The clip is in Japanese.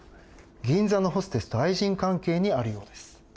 銀座のホステスと愛人関係にあるようです。